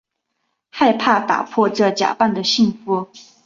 害怕打破这假扮的幸福